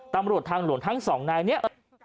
ตำรวจทางหลวงทั้งสองนายเนี่ย